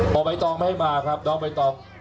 พอใบตองไม่ให้มาครับน้องใบตอง